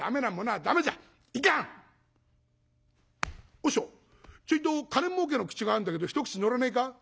「和尚ちょいと金儲けの口があんだけど一口乗らねえか？」。